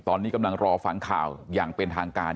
ตอนนี้กำลังรอฟังข่าวอย่างเป็นทางการ